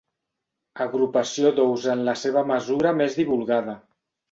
Agrupació d'ous en la seva mesura més divulgada.